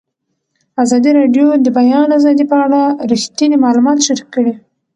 ازادي راډیو د د بیان آزادي په اړه رښتیني معلومات شریک کړي.